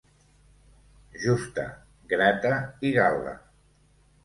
Justa, Grata i Gal·la.